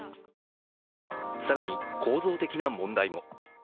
更に、構造的な問題も。